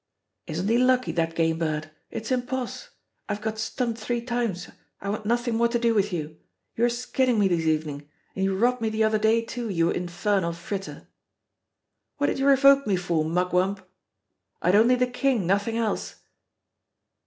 "Isn't he lucky, that game bird; it's imposs', I've got stumped three times I want nothing more to do with you. You're skinning me this evening, and you robbed me the other day, too, you infernal fritter!" "What did you revoke for, mugwump?" "I'd only the king, nothing else."